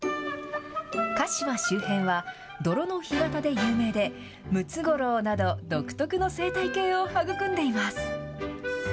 鹿島周辺は、泥の干潟で有名で、ムツゴロウなど、独特の生態系を育んでいます。